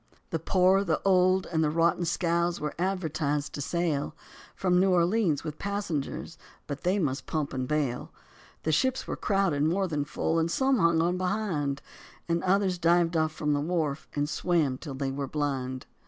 The poor, the old, and the rotten scows were advertised to sail From New Orleans with passengers, but they must pump and bail. The ships were crowded more than full, and some hung on behind, And others dived off from the wharf and swam till they were blind.